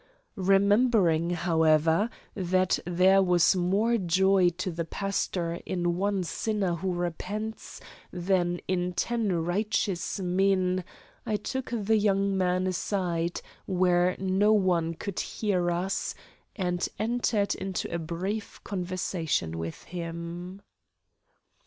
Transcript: Remembering, however, that there was more joy to the pastor in one sinner who repents than in ten righteous men, I took the young man aside where no one could hear us, and entered into a brief conversation with him.